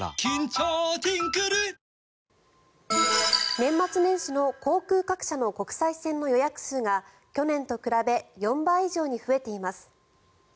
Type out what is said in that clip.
年末年始の航空各社の国際線の予約数が去年と比べ４倍以上に増えています。